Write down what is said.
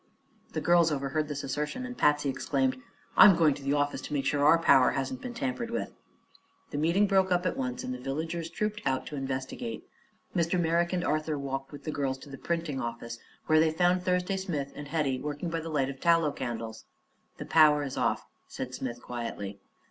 The girls overheard this assertion, and Patsy exclaimed: "I'm going to the office, to make sure our power hasn't been tampered with." The meeting broke up at once and the villagers trooped out to investigate. Mr. Merrick and Arthur walked with the girls to the printing office, where they found Thursday Smith and Hetty working by the light of tallow candles. "The power is off," said Smith quietly.